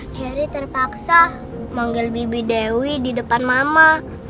ceri terpaksa manggil bibi dewi di depan mama